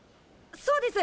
そうです！